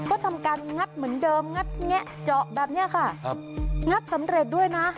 ก็ทำการงัดเหมือนเดิมงัดแงะเจาะแบบนี้ค่ะครับงัดสำเร็จด้วยนะ